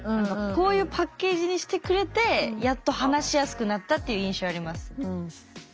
こういうパッケージにしてくれてやっと話しやすくなったっていう印象あります。